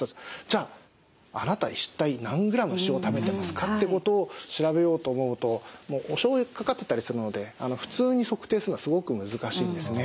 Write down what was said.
じゃああなた一体何グラム塩食べてますかってことを調べようと思うとおしょうゆかかってたりするので普通に測定するのはすごく難しいんですね。